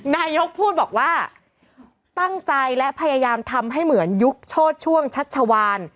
นายกพูดบอกว่าตั้งใจและพยายามทำให้เหมือนยุคโชดช่วงชัชวาน